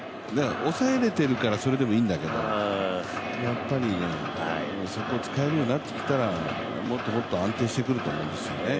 抑えられてるからいいんだけど、やっぱり、そこ使えるようになってきたらもっともっと安定してくると思うんですよね。